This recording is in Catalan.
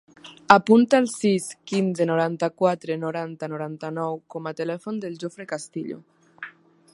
Apunta el sis, quinze, noranta-quatre, noranta, noranta-nou com a telèfon del Jofre Castillo.